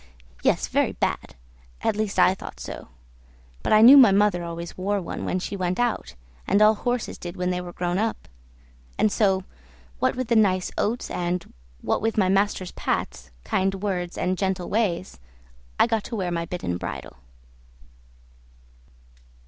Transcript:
yes, very bad! at least I thought so; but I knew my mother always wore one when she went out, and all horses did when they were grown up; and so, what with the nice oats, and what with my master's pats, kind words, and gentle ways, I got to wear my bit and bridle.